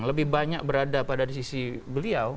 lebih banyak berada pada sisi beliau